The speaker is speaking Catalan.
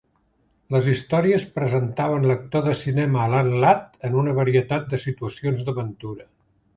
Les històries presentaven l'actor de cinema Alan Ladd en una varietat de situacions d'aventura.